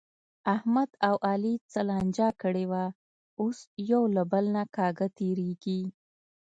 احمد او علي څه لانجه کړې وه، اوس یو له بل نه کاږه تېرېږي.